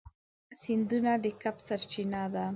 سیندونه د کب سرچینه ده.